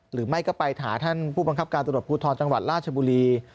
หรือไม่ก็ไปหาท่านผู้บังคับการตรวจภูทรจังหวัดราชบุรี